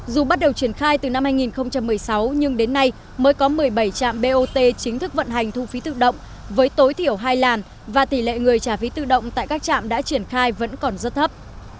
dù bắt đầu triển khai từ năm hai nghìn một mươi sáu nhưng đến nay mới có một mươi bảy trạm bot chính thức vận hành thu phí tự động với tối thiểu hai làn và tỷ lệ người trả phí tự động tại các trạm đã triển khai vẫn còn rất thấp